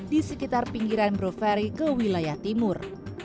di sekitar pinggiran brofari ke wilayah timur